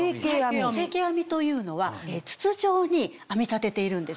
成型編みというのは筒状に編み立てているんです。